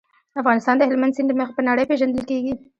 افغانستان د هلمند سیند له مخې په نړۍ پېژندل کېږي.